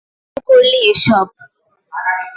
কী শুরু করলে এসব?